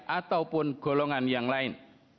ataupun golongan yang lain